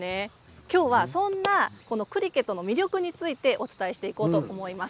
今日はそんなクリケットの魅力についてお伝えしていこうと思います。